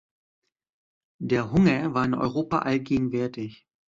Der Hunger war in Europa allgegenwärtig.